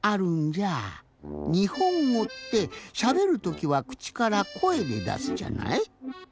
にほんごってしゃべるときはくちからこえでだすじゃない？